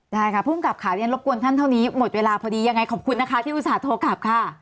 ได้ค่ะภูมิกับค่ะเรียนรบกวนท่านเท่านี้หมดเวลาพอดียังไงขอบคุณนะคะที่อุตส่าห์โทรกลับค่ะ